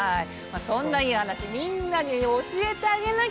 そんないい話みんなに教えてあげなきゃ詳しく。